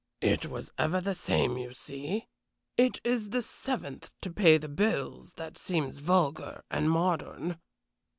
"It was ever the same, you see. It is the seventh to pay the bills that seems vulgar and modern."